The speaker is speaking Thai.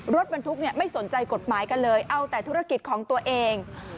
รถบรรทุกไม่สนใจกฎหมายกันเลยเอาแต่ธุรกิจของตัวเอง